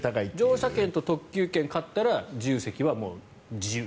乗車券と特急券を買ったら自由席はもう自由。